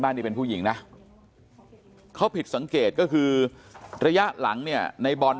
ที่เป็นผู้หญิงนะเขาผิดสังเกตก็คือระยะหลังเนี่ยในบอล